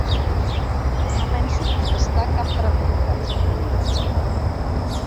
No penso contestar cap pregunta, ha dit.